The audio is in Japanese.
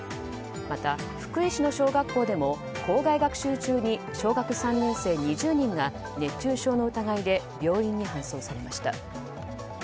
また、福井市の小学校でも校外学習中に小学３年生２０人が熱中症の疑いで病院に搬送されました。